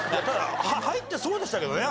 入ってそうでしたけどね